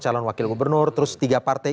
calon wakil gubernur terus tiga partai